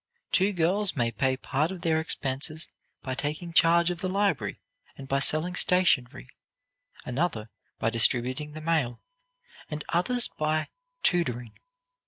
Two girls may pay part of their expenses by taking charge of the library, and by selling stationery; another, by distributing the mail, and others by 'tutoring'.